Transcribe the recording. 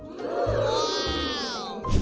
ว้าว